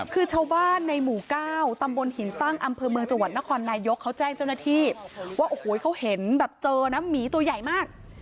คือชาวบ้านในหมู่๙ตำบลหินตั้งอำเภอเมืองจังหวัดนครนายกเขาแจ้งเจ้าหน้าที่ว่าโอ้โหเขาเห็นแบบเจอนะหมีตัวใหญ่มาก